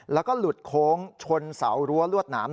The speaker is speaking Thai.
แล้วก็หลุดโค้งชนเสารั้วลวดหนาม